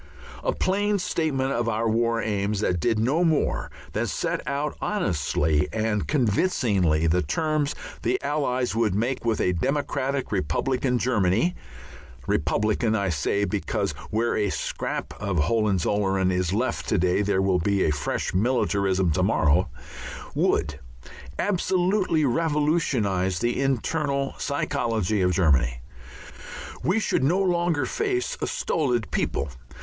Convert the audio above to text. A plain statement of our war aims that did no more than set out honestly and convincingly the terms the Allies would make with a democratic republican Germany republican I say, because where a scrap of Hohenzollern is left to day there will be a fresh militarism to morrow would absolutely revolutionize the internal psychology of Germany. We should no longer face a solid people.